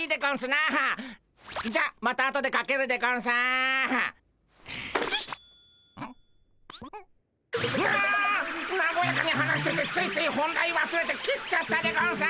なごやかに話しててついつい本題わすれて切っちゃったでゴンス！